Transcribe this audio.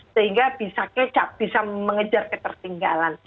sehingga bisa kecap bisa mengejar ketertinggalan